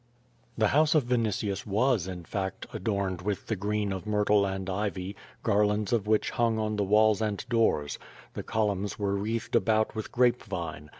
The house of Vinitius was, in fact, adorned with the green of myrtle and ivy, garlands of which hung on the walls and doors. The columns were wreathed about with grape vine.